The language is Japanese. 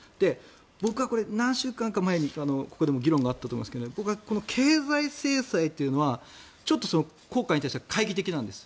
僕はこれ何週間か前にここでも議論があったと思いますが僕は経済制裁というのはちょっと効果に対しては懐疑的なんです。